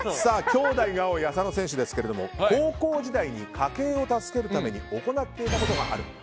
きょうだいが多い浅野選手ですが高校時代に家計を助けるために行っていたことがある。